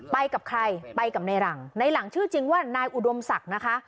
ไปกับใครไปกับในหลังในหลังชื่อจริงว่านายอุดมศักดิ์นะคะ